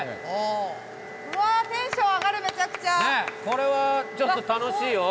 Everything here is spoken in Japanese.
これはちょっと楽しいよ。